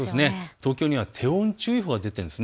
東京には低温注意報が出ています。